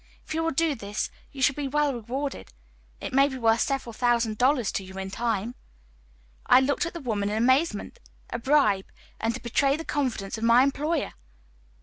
If you will do this you shall be well rewarded. It may be worth several thousand dollars to you in time." I looked at the woman in amazement. A bribe, and to betray the confidence of my employer!